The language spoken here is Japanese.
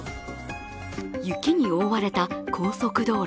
雪に覆われた高速度。